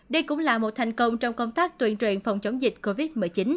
đây cũng là một thành công trong công tác tuyên truyền phòng chống dịch covid một mươi chín